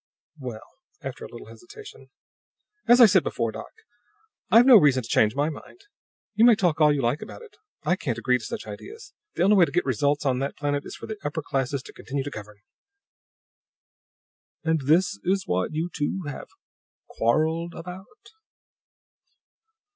"Well," after a little hesitation, "as I said before, doc, I've no reason to change my mind. You may talk all you like about it I can't agree to such ideas. The only way to get results on that planet is for the upper classes to continue to govern." "And this is what you two have quarreled about?"